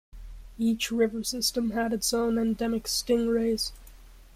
Each river system has its own endemic stingrays.